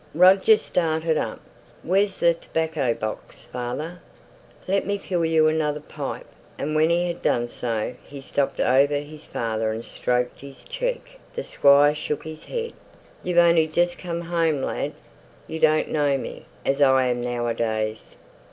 Roger started up. "Where's the tobacco box, father? Let me fill you another pipe!" and when he had done so, he stooped over his father and stroked his cheek. The Squire shook his head. "You've only just come home, lad. You don't know me, as I am now a days!